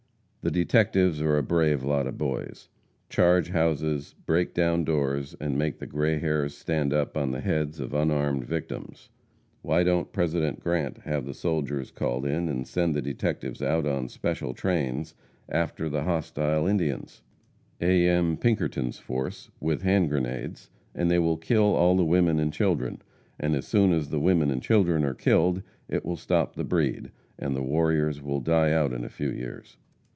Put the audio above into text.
The detectives are a brave lot of boys charge houses, break down doors and make the gray hairs stand up on the heads of unarmed victims. Why don't President Grant have the soldiers called in and send the detectives out on special trains after the hostile Indians? A. M. Pinkerton's force, with hand grenades, and they will kill all the women and children, and as soon as the women and children are killed it will stop the breed, and the warriors will die out in a few years.